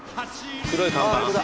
黒い看板。